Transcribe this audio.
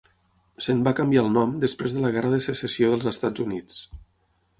Se'n va canviar el nom després de la Guerra de secessió dels Estats Units.